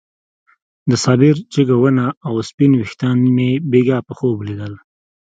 د صابر جګه ونه او سپين ويښتان مې بېګاه په خوب ليدل.